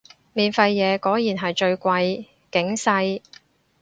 免費嘢果然係最貴，警世